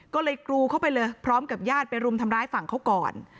ก็เลยกรูเข้าไปเลยพร้อมกับญาติไปรุมทำร้ายฝั่งเขาก่อน